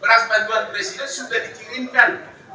beras bantuan presiden sudah dikirimkan